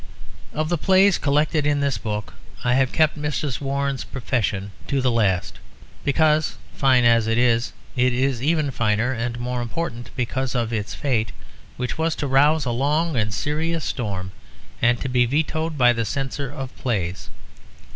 Of the plays collected in this book I have kept Mrs. Warren's Profession to the last, because, fine as it is, it is even finer and more important because of its fate, which was to rouse a long and serious storm and to be vetoed by the Censor of Plays.